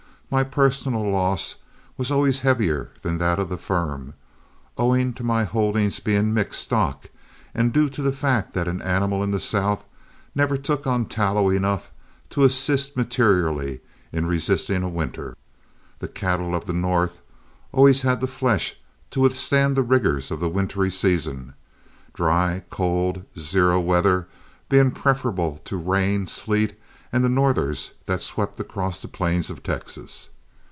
My personal loss was always heavier than that of the firm, owing to my holdings being mixed stock, and due to the fact that an animal in the South never took on tallow enough to assist materially in resisting a winter. The cattle of the North always had the flesh to withstand the rigors of the wintry season, dry, cold, zero weather being preferable to rain, sleet, and the northers that swept across the plains of Texas.